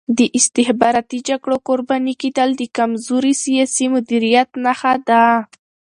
د استخباراتي جګړو قرباني کېدل د کمزوري سیاسي مدیریت نښه ده.